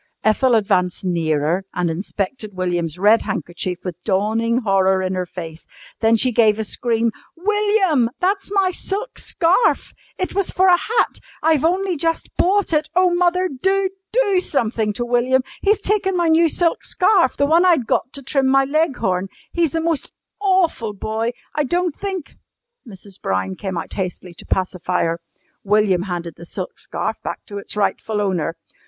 Ethel advanced nearer and inspected William's red handkerchief with dawning horror in her face. Then she gave a scream. "William, that's my silk scarf! It was for a hat. I've only just bought it. Oh, mother, do do something to William! He's taken my new silk scarf the one I'd got to trim my Leghorn. He's the most awful boy. I don't think " Mrs. Brown came out hastily to pacify her. William handed the silk scarf back to its rightful owner.